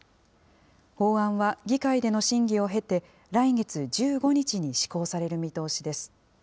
法案は議会での審議を経て、来月１５日に施行される見通しです。